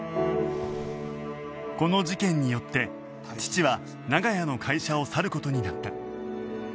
この事件によって父は長屋の会社を去る事になった